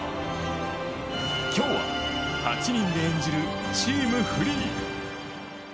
今日は８人で演じるチームフリー。